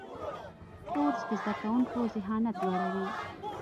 کورس د زده کوونکو ذهانت لوړوي.